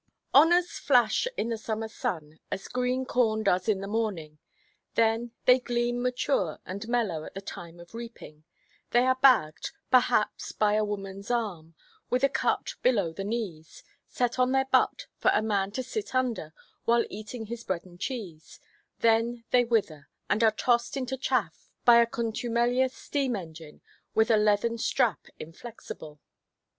Honours flash in the summer sun, as green corn does in the morning; then they gleam mature and mellow at the time of reaping; they are bagged, perhaps by a womanʼs arm, with a cut "below the knees"; set on their butt for a man to sit under while eating his bread and cheese; then they wither, and are tossed into chaff by a contumelious steam–engine with a leathern strap inflexible.